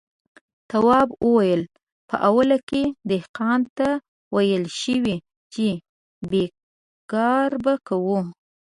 تواب وويل: په اوله کې دهقان ته ويل شوي چې بېګار به کوي.